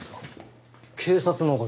警察の方？